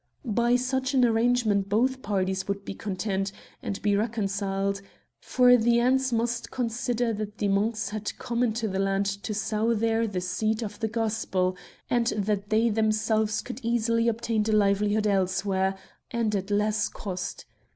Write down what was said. By such an arrangement both parties would be content and be reconciled ; for the Ants must consider that the Monks had come into the land to sow there the seed of the Gospel, and that they themselves could easily obtain a livelihood elsewhere, and at less cost.